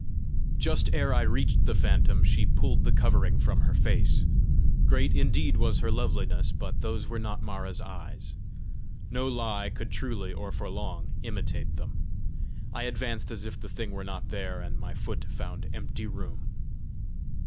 Just ere I reached the phantom, she pulled the covering from her face: great indeed was her loveliness, but those were not Mara's eyes! no lie could truly or for long imitate them! I advanced as if the thing were not there, and my foot found empty room.